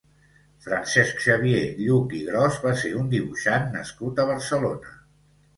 Francesc Xavier Lluch i Gros va ser un dibuixant nascut a Barcelona.